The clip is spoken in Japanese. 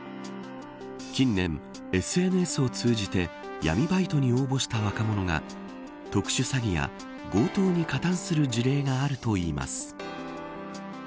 近年、ＳＮＳを通じて闇バイトに応募した若者が特殊詐欺や強盗に加担する事例があるといいます。